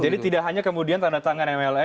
jadi tidak hanya kemudian tanda tangan mla